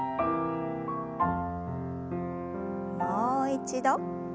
もう一度。